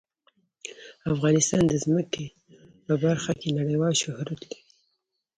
افغانستان د ځمکه په برخه کې نړیوال شهرت لري.